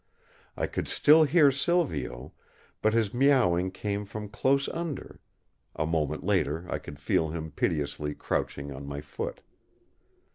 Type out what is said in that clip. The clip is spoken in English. I could still hear Silvio, but his mewing came from close under; a moment later I could feel him piteously crouching on my foot.